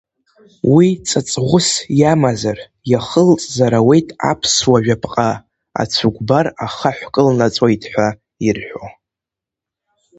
Уи ҵаҵӷәыс иамазар, иахылҵзар ауеит аԥсуа жәаԥҟа ацәыкәбар ахаҳә кылнаҵәоит ҳәа ирҳәо.